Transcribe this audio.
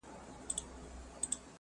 د دغي ودانۍ خلک ټول د الله شکر ادا کوي.